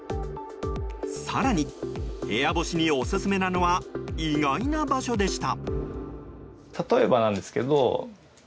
更に、部屋干しにオススメなのは意外な場所でした。